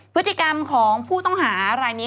พฤติกรรมของผู้ต้องหารายนี้